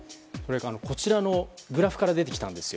こちらのグラフから出てきたんですよ。